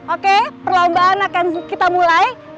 oke perlombaan akan kita mulai